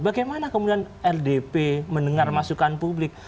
bagaimana kemudian rdp mendengar masukan publik